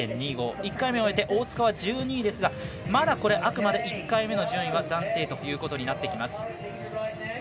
１回目終えて大塚は１２位ですがまだ、あくまでも１回目の順位は暫定ということになってきます。